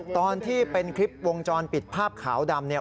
ตอนที่เป็นคลิปวงจรปิดภาพขาวดำเนี่ย